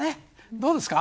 どうですか。